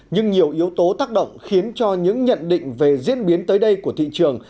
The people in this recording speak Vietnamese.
nhưng nhiều yếu tố tác động khiến cho những nhận định về diễn biến tới đây của thị trường